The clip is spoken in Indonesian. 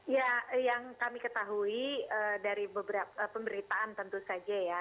ya yang kami ketahui dari beberapa pemberitaan tentu saja ya